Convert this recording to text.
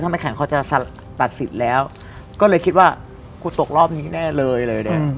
แม่แข่งเขาจะตัดสิทธิ์แล้วก็เลยคิดว่ากูตกรอบนี้แน่เลยเลยเนี่ย